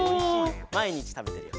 まいにちたべてるよ。